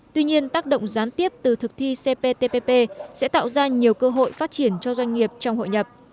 tuy nhiên tác động gián tiếp từ thực thi cptpp sẽ tạo ra nhiều cơ hội phát triển cho doanh nghiệp trong hội nhập